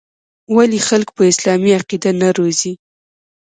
ولـې خـلـک پـه اسـلامـي عـقـيده نـه روزي.